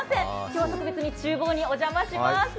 今日は特別にちゅうぼうにお邪魔します。